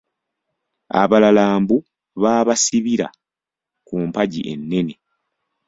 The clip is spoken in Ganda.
Abalala mbu baabasibira ku mpagi ennene.